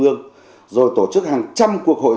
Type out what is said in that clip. ương rồi tổ chức hàng trăm cuộc hội